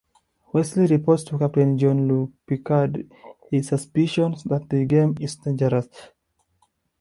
Wesley reports to Captain Jean-Luc Picard his suspicions that the game is dangerous.